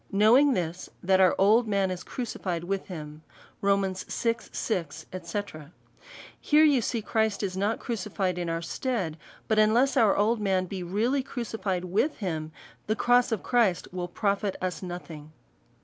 '' Knowing this, that our old man is crucified with him," &c. Rom. vi. 6. Here you see Christ is not crucified in our stead ; but unless our old man be really crucified with him, the cross of Christ will profit us nothing".